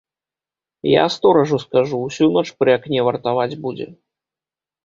Я сторажу скажу, усю ноч пры акне вартаваць будзе.